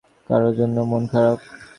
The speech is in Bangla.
কারো জন্য মন খারাপ?